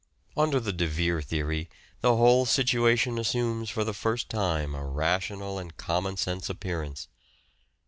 Under the De Vere theory the whole situation assumes for the first time a rational and common sense appearance.